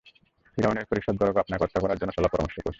ফিরআউনের পারিষদবর্গ আপনাকে হত্যা করার জন্য সলাপরামর্শ করছে।